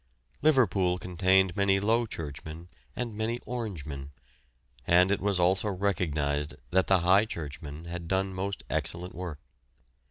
Liverpool contained many low churchmen and many Orangemen, and it was also recognised that the high churchmen had done most excellent work.